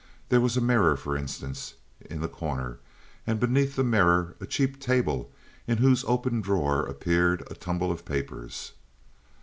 There was a mirror, for instance, in the corner; and beneath the mirror a cheap table in whose open drawer appeared a tumble of papers.